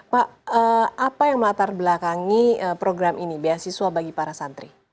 pak apa yang melatar belakangi program ini beasiswa bagi para santri